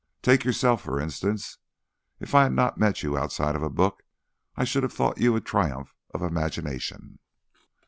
Take yourself, for instance. If I had not met you outside of a book, I should have thought you a triumph of imagination."